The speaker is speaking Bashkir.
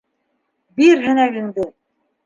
Бир һәнәгеңде!